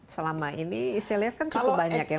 selama ini saya lihat kebanyakan